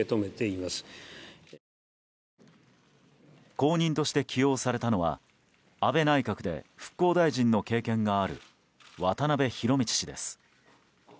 後任として起用されたのは安倍内閣で復興大臣の経験がある渡辺博道氏です。